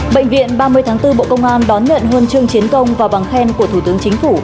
bệnh viện ba mươi tháng bốn bộ công an đón nhận huân chương chiến công và bằng khen của thủ tướng chính phủ